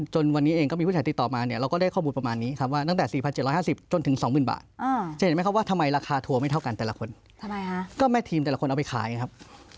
จนวันนี้เองก็มีบทสจัดติตต่อมาเราก็ได้ข้อมูลประมาณนี้ครับ